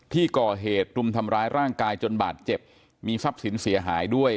ที่ก่อเหตุรุมทำร้ายร่างกายจนบาดเจ็บมีทรัพย์สินเสียหายด้วย